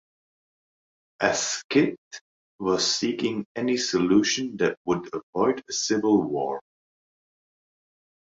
Asquith was seeking any solution that would avoid a civil war.